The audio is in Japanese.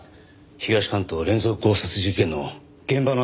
東関東連続強殺事件の現場のあった場所なんです。